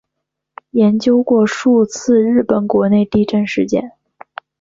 研究过数次日本国内地震事件。